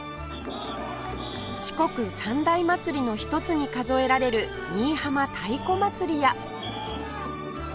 四国三大祭りの一つに数えられる新居浜太鼓祭りや